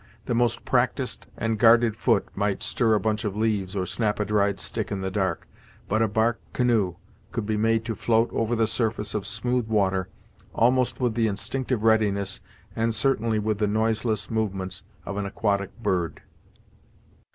The most practised and guarded foot might stir a bunch of leaves, or snap a dried stick in the dark, but a bark canoe could be made to float over the surface of smooth water, almost with the instinctive readiness, and certainly with the noiseless movements of an aquatic bird.